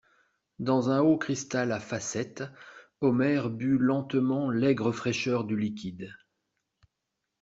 Dans un haut cristal à facettes, Omer but lentement l'aigre fraîcheur du liquide.